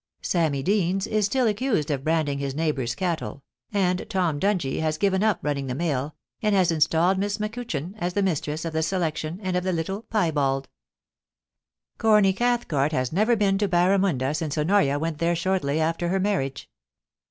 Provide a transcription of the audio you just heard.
Sammy Deans is still accused of branding his neighbour's cattle, and Tom Dungie has given up running the mail, and has installed Miss MacCutchan as the mistress of the Selec tion and of the little 'piebald' Corny Cathcart has never been to Barramunda since Honoria went there shortly after her marriage.